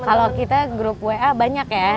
kalau kita grup wa banyak ya